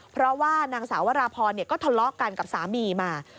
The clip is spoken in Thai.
เพราะว่านางสาววราพรก็ทะเลาะกันกับสามีมา